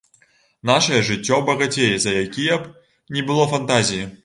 Нашае жыццё багацей за якія б ні было фантазіі.